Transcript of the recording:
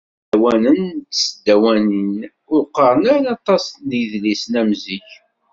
Isdawanen d tesdawanin ur qqaren ara aṭas n yidlisen am zik.